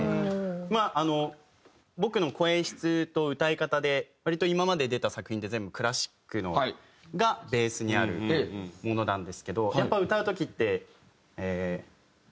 まああの僕の声質と歌い方で割と今まで出た作品って全部クラシックがベースにあるものなんですけどやっぱ歌う時ってええー。